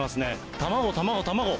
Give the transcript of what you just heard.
卵、卵、卵。